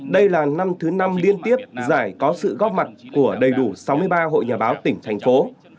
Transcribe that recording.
đây là năm thứ năm liên tiếp giải có sự góp mặt của đầy đủ sáu mươi ba hội nhà báo tỉnh thành phố